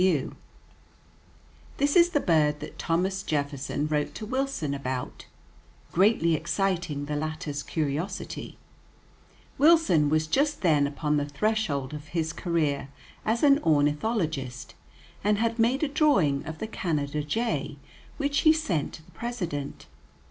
[Illustration: CHEWINK Upper, male; lower, female] This is the bird that Thomas Jefferson wrote to Wilson about, greatly exciting the latter's curiosity. Wilson was just then upon the threshold of his career as an ornithologist, and had made a drawing of the Canada jay which he sent to the President.